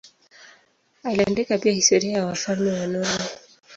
Aliandika pia historia ya wafalme wa Norwei.